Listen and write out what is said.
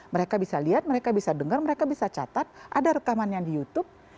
mereka bisa lihat mereka bisa dengar mereka bisa catat ada rekaman yang di youtube